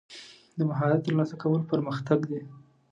د مهارت ترلاسه کول پرمختګ دی.